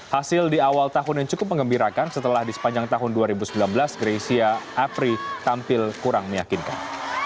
hasil di awal tahun yang cukup mengembirakan setelah di sepanjang tahun dua ribu sembilan belas greysia apri tampil kurang meyakinkan